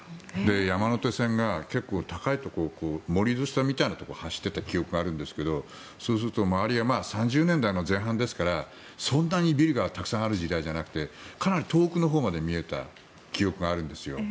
山の手線が結構高いところを盛り土したみたいなところを走っていた記憶があるんですけどそうすると周りは３０年代の前半ですからそんなにビルがたくさんある時代じゃなくてかなり遠くのほうまで見えた記憶があるんです。